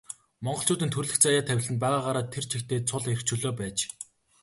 Монголчуудын төрөлх заяа тавилан нь байгаагаараа тэр чигтээ цул эрх чөлөө байж.